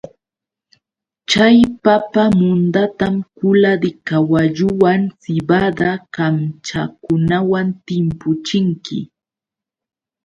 Chay papa mundatam kula de kaballukunawan sibada kamchakunawan timpuchinki.